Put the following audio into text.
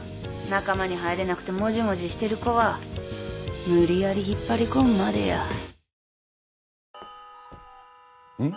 仲間に入れなくてモジモジしてる子は無理やり引っ張り込むまでや。